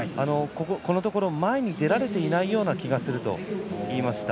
このところ前に出られていないような気がすると言いました。